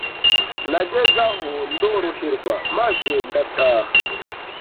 Nageze aho ndoroherwa maze ndataha